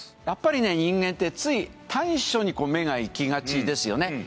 やっぱりね人間ってつい短所に目がいきがちですよね。